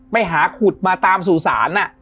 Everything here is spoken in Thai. ไปหาขุดมาตามสู่ศาล